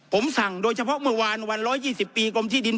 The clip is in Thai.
ผมสั่งโดยเฉพาะเมื่อวานวัน๑๒๐ปีกรมที่ดิน